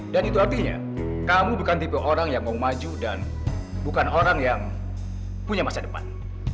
dan itu artinya kamu bukan tipe orang yang mau maju dan bukan orang yang punya masa depan